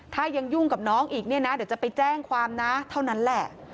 ถ้ายังยุ่งกับน้องอีกเนี่ยนะเดี๋ยวจะไปแจ้งความนะเท่านั้นแหละ